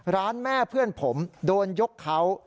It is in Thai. ร้านแม่เพื่อนผมโดนยกเขา